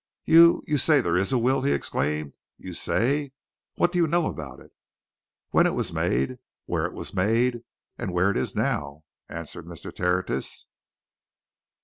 "You you say there is a will!" he exclaimed. "You say what do you know about it?" "When it was made, where it was made, where it now is," answered Mr. Tertius.